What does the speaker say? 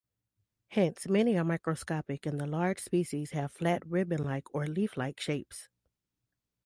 Hence many are microscopic and the large species have flat ribbon-like or leaf-like shapes.